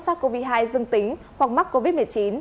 sars cov hai dương tính hoặc mắc covid một mươi chín